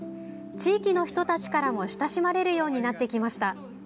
地域の人たちからも親しまれるようになってきました。